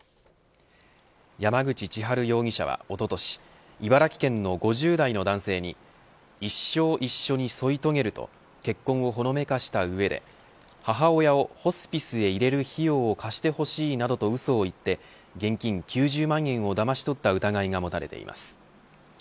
山口千春容疑者は、おととし茨城県の５０代の男性に一生一緒に添い遂げると結婚をほのめかした上で母親をホスピスへ入れる費用を貸してほしいなどとうそを言って現金９０万円をだまし取った疑いが持たれています。